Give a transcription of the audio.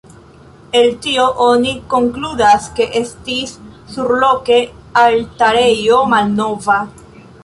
El tio oni konkludas ke estis surloke altarejo malnova.